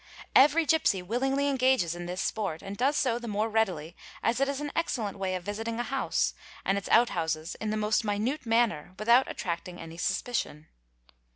— Every gipsy willingly engages in this sport and does so the more readily — as it is an excellent way of visiting a house and its outhouses in the most minute manner without attracting any suspicion.